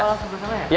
oh sebelah sana ya